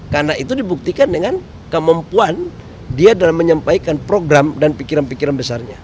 karena itu dibuktikan dengan kemampuan dia dalam menyampaikan program dan pikiran pikiran besarnya